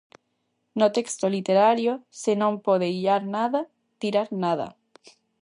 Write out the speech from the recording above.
No texto literario se non pode illar nada, tirar nada.